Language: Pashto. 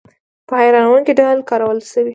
په هیرانوونکې ډول کارول شوي.